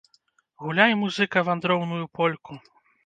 Гуляй, музыка, вандроўную польку!